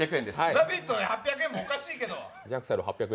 「ラヴィット！」で８００円もおかしいけど。